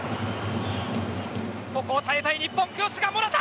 ここを耐えたい日本クロスがモラタ。